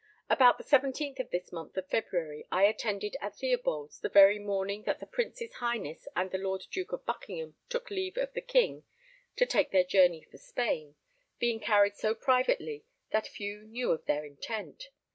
About the 17th of this month of February, I attended at Theobalds the very morning that the Prince's Highness and the Lord Duke of Buckingham took leave of the King to take their journey for Spain, being carried so privately that few knew of their intent.